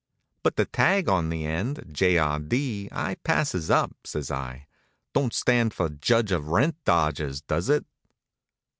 "But the tag on the end J. R. D. I passes up," says I. "Don't stand for Judge of Rent Dodgers, does it?"